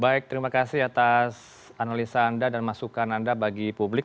baik terima kasih atas analisa anda dan masukan anda bagi publik